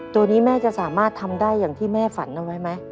ตัวนี้แม่จะสามารถทำได้อย่างที่แม่ฝันเอาไว้ไหม